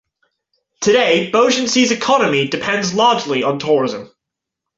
Today Beaugency's economy depends largely on tourism.